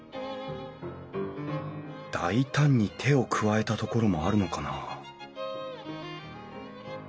大胆に手を加えたところもあるのかな？